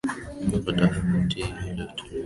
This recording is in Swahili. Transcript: utafiti uliotolewa katika jarida la matibabu la Lancet